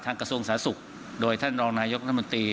กระทรวงสาธารณสุขโดยท่านรองนายกรัฐมนตรี